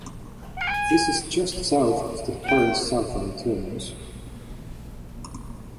This is just south of the current southern terminus.